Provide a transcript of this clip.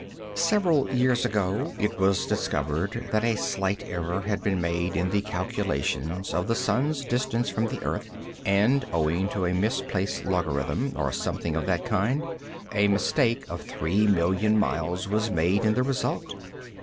Several years ago it was discovered that a slight error had been made in the calculations of the sun's distance from the earth, and, owing to a misplaced logarithm, or something of that kind, a mistake of 3,000,000 miles was made in the result.